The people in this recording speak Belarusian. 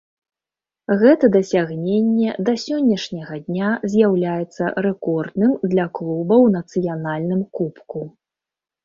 Гэта дасягненне да сённяшняга дня з'яўляецца рэкордным для клуба ў нацыянальным кубку.